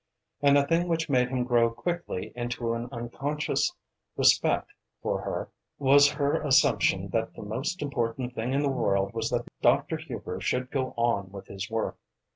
And the thing which made him grow so quickly into an unconscious respect for her was her assumption that the most important thing in the world was that Dr. Hubers should go on with his work.